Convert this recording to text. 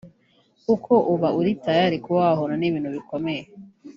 Kuko uba uri tayari kuba wahura n’ibintu bikomeye